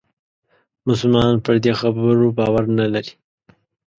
مسلمانان پر دې خبرو باور نه لري.